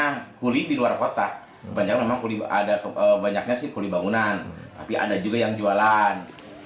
jadi di luar kota banyaknya sih kuli bangunan tapi ada juga yang jualan